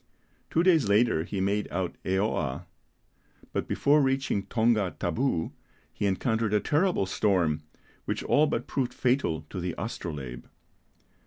Two days later he made out Eoa; but before reaching Tonga Tabou he encountered a terrible storm which all but proved fatal to the Astrolabe.